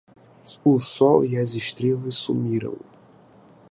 O sol e as estrelas sumiram